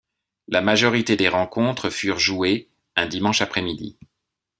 La majorité des rencontres furent jouées un dimanche après-midi.